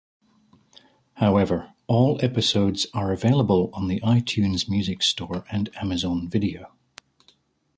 However, all episodes are available on the iTunes Music Store and Amazon Video.